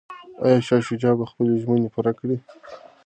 ایا شاه شجاع به خپلي ژمني پوره کړي؟